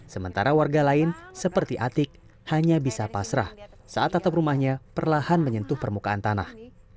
sementara warga lain seperti atik hanya bisa pasrah saat atap rumahnya perlahan menyentuh permukaan tanah